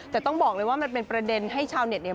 แต่ต้องบอกเลยว่ามันเป็นประเด็นให้ชาวเน็ตเนี่ย